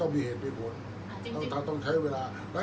อันไหนที่มันไม่จริงแล้วอาจารย์อยากพูด